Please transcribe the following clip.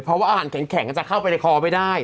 เพราะว่าอาหารแข็งจะเข้าไปในคอไม่ได้